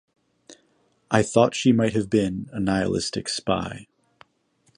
I thought she might have been a nihilistic spy.